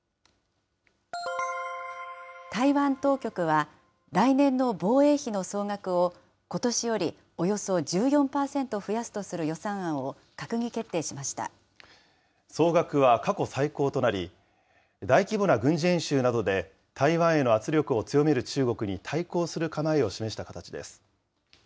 台湾当局は、来年の防衛費の総額を、ことしよりおよそ１４％増やすとする予算総額は過去最高となり、大規模な軍事演習などで、台湾への圧力を強める中国に対抗する構えを示した形です。